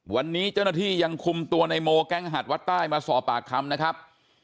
วันนี้เจ้าหน้าที่ยังคุมตัวในโมแก๊งหัดวัดใต้มาสอบปากคำนะครับ